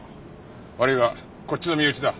悪いがこっちの身内だ。